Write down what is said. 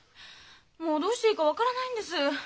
もうどうしていいか分からないんです。